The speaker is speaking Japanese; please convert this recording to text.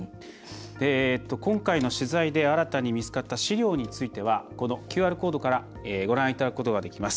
今回の取材で新たに見つかった史料についてはこのＱＲコードからご覧いただくことができます。